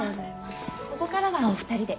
ここからはお二人で。